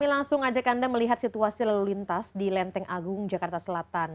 kami langsung ajak anda melihat situasi lalu lintas di lenteng agung jakarta selatan